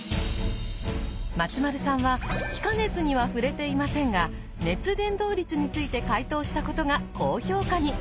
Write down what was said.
松丸さんは気化熱には触れていませんが熱伝導率について解答したことが高評価に。